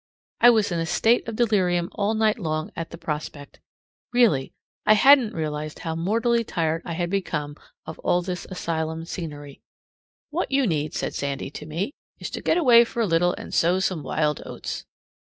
I was in a state of delirium all night long at the prospect. Really, I hadn't realized how mortally tired I had become of all this asylum scenery. "What you need," said Sandy to me, "is to get away for a little and sow some wild oats."